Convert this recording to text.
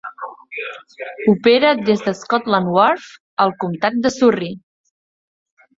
Opera des de Scotland Wharf, al comtat de Surry.